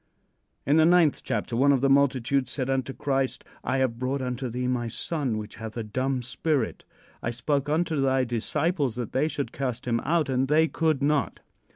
In the ninth chapter one of the multitude said unto Christ: "I have brought unto thee my son which hath a dumb spirit. I spoke unto thy disciples that they should cast him out, and they could not."